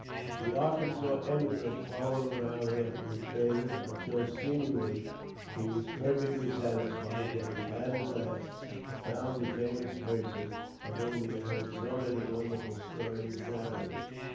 The Arkansas emigrant followed around after the trader until, seemingly, he was perfectly satisfied, that he had, at last, found the famous person of whom he had heard so many wonderful stories narrated.